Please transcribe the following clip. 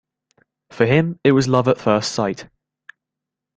For him, it was love at first sight.